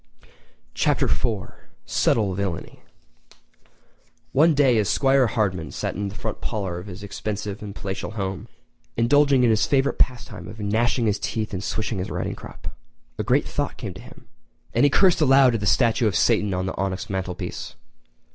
Chapter IV: Subtle Villainy[edit] One day as 'Squire Hardman sat in the front parlour of his expensive and palatial home, indulging in his favourite pastime of gnashing his teeth and swishing his riding crop, a great thought came to him; and he cursed aloud at the statue of Satan on the onyx mantelpiece.